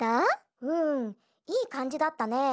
うんいいかんじだったね。